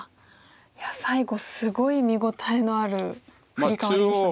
いや最後すごい見応えのあるフリカワリでしたね。